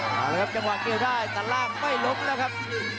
เอาละครับจังหวะเกี่ยวได้แต่ล่างไม่ล้มแล้วครับ